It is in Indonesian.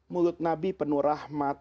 mulut nabi penuh rahmat